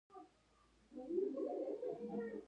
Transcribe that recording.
د ویښتو تویدو لپاره د پیاز اوبه په سر ومښئ